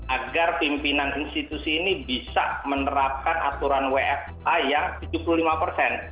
agar pimpinan institusi ini bisa menerapkan aturan wfa yang tujuh puluh lima persen